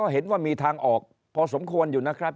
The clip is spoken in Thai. เห็นว่ามีทางออกพอสมควรอยู่นะครับ